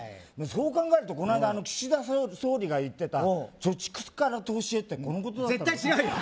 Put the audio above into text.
そう考えるとこの間岸田総理が言ってた貯蓄から投資へってこのことだったの？